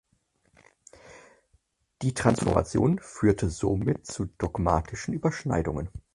Die Transformation führte somit zu dogmatischen Überschneidungen.